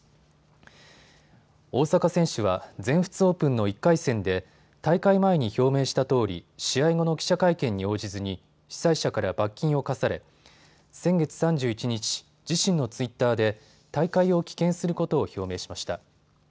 大坂選手は全仏オープンの１回戦で大会前に表明したとおり試合後の記者会見に応じずに主催者から罰金を課され先月３１日、自身のツイッターで大会を棄権することを表明しました。